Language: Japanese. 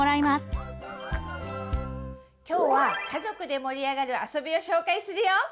今日は家族で盛り上がるあそびを紹介するよ！